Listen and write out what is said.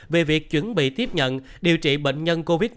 về việc chuẩn bị tiếp nhận điều trị bệnh nhân covid một mươi chín